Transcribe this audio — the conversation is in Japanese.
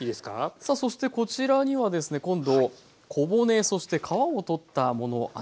さあそしてこちらにはですね今度小骨そして皮を取ったものあじが。